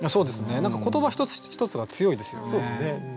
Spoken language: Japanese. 何か言葉一つ一つが強いですよね。